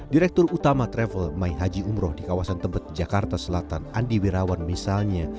direktur utama travel mai haji umroh di kawasan tebet jakarta selatan andi wirawan misalnya